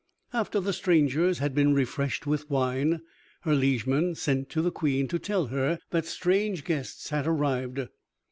After the strangers had been refreshed with wine, her liegemen sent to the Queen to tell her that strange guests had arrived.